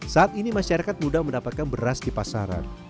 saat ini masyarakat mudah mendapatkan beras di pasaran